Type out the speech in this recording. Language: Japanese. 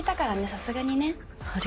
さすがにね。あるよ。